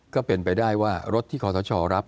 ก็เป็นไปได้ว่ารถที่ความสะชอบรับ